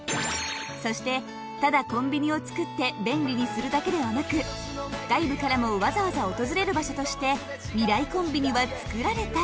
そしてただコンビニを作って便利にするだけではなく外部からもわざわざ訪れる場所として未来コンビニは作られた。